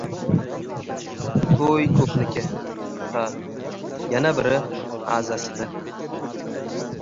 To‘y ko‘pniki, ha. Yana biri — azasida.